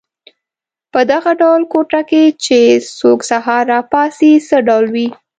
په دغه ډول کوټه کې چې څوک سهار را پاڅي څه ډول وي.